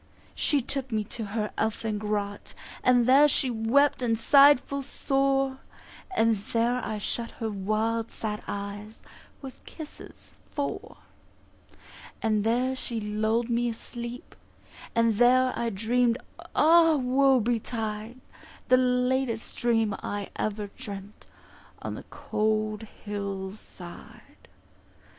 She took me to her elfin grot, And there she wept and sighed full sore, And there I shut her wild sad eyes With kisses four. And there she lulled me asleep, And there I dream'd, Ah Woe betide, The latest dream I ever dreamt On the cold hill side.